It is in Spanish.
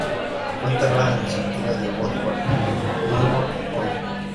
Fue enterrado en el cementerio de Woodlawn, Norwalk, Ohio.